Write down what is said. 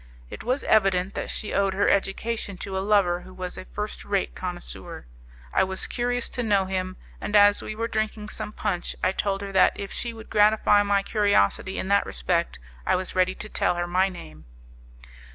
It was evident that she owed her education to a lover who was a first rate connoisseur. I was curious to know him, and as we were drinking some punch I told her that if she would gratify my curiosity in that respect I was ready to tell her my name.